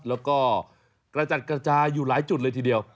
แล้วก็กระจัดกระจายอยู่หลายจุดเลยทีเดียว